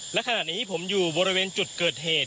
และขณะนี้ผมอยู่บริเวณจุดเกิดเหตุ